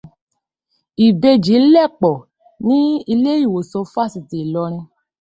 Ìbejì lẹ̀pọ̀ ní ilé ìwòsàn fasiti Ìlọrin.